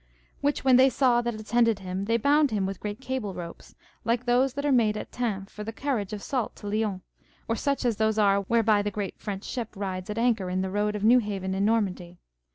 Which when they saw that attended him, they bound him with great cable ropes, like those that are made at Tain for the carriage of salt to Lyons, or such as those are whereby the great French ship rides at anchor in the road of Newhaven in Normandy.